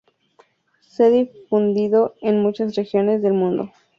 Se ha difundido en muchas regiones del mundo.